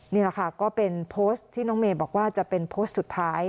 นี่แหละค่ะก็เป็นโพสต์ที่น้องเมย์บอกว่าจะเป็นโพสต์สุดท้าย